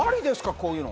こういうの。